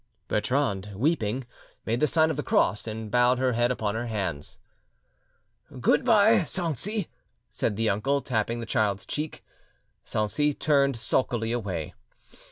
Bertrande, weeping, made the sign of the cross, and bowed her head upon her hands. "Good bye, Sanxi," said the uncle, tapping the child's,' cheek. Sanxi turned sulkily away.